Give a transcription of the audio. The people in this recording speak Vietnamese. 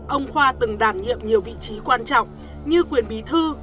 ông khoa từng đảm nhiệm nhiều vị trí quan trọng như quyền bí thư